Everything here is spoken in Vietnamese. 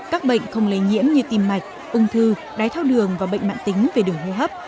các bệnh không lấy nhiễm như tim mạch ung thư đáy thao đường và bệnh mạng tính về đường hô hấp